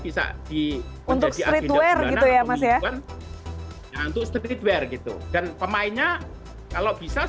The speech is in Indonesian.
bisa di untuk streetwear gitu ya mas ya untuk streetwear gitu dan pemainnya kalau bisa